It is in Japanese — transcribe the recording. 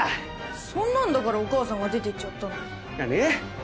そんなんだからお母さんが出て行っちゃったんだよ。何？